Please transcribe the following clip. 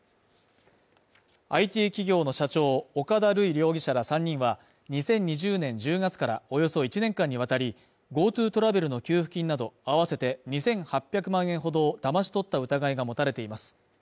ＩＴ企業の社長岡田塁容疑者ら３人は２０２０年１０月からおよそ１年間にわたりＧｏＴｏトラベルの給付金など合わせて２８００万円ほどだまし取った疑いが持たれています。